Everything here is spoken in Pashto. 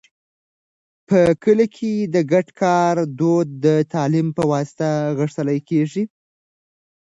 په کلي کې د ګډ کار دود د تعلیم په واسطه غښتلی کېږي.